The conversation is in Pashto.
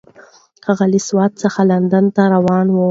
هغه له سوات څخه لندن ته روانه وه.